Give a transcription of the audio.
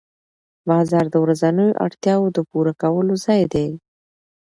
بازار د ورځنیو اړتیاوو د پوره کولو ځای دی